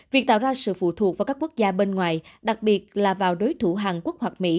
việc tạo ra sự phụ thuộc vào các quốc gia bên ngoài đặc biệt là vào đối thủ hàn quốc hoặc mỹ